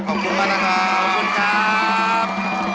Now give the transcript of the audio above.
ขอบคุณมากนะครับขอบคุณครับ